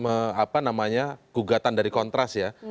ketika tiga ep apa namanya kugatan dari kontras ya